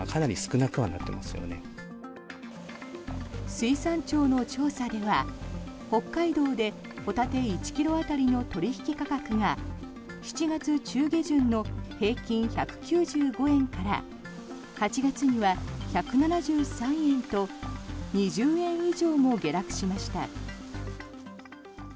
水産庁の調査では、北海道でホタテ１ｋｇ当たりの取引価格が７月中下旬の平均１９５円から８月には１７３円と２０円以上も下落しました。